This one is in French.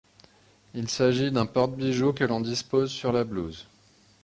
Il s'agit d'un porte bijou que l'on dispose sur la blouse.